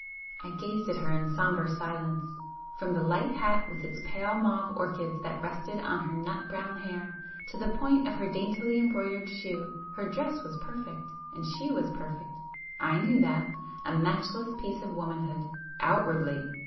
I gazed at her in sombre silence. From the light hat with its pale mauve orchids that rested on her nut brown hair, to the point of her daintily embroidered shoe, her dress was perfect,—and she was perfect. I knew that,—a matchless piece of womanhood ... outwardly!